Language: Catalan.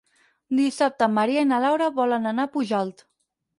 Dissabte en Maria i na Laura volen anar a Pujalt.